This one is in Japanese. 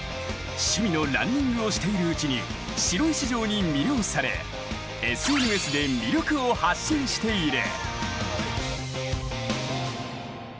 趣味のランニングをしているうちに白石城に魅了されＳＮＳで魅力を発信している。